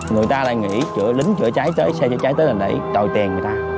người ta lại nghĩ lính chữa cháy tới xe chữa cháy tới là để tội tiền người ta